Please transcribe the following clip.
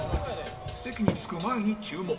席に着く前に注文